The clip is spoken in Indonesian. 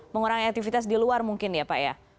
mengurangi aktivitas di luar mungkin ya pak ya